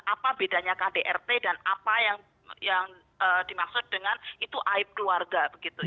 apa bedanya kdrt dan apa yang dimaksud dengan itu aib keluarga